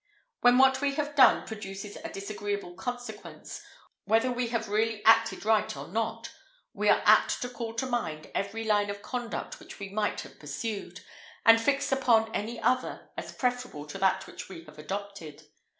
When what we have done produces a disagreeable consequence, whether we have really acted right or not, we are apt to call to mind every line of conduct which we might have pursued, and fix upon any other as preferable to that which we have adopted.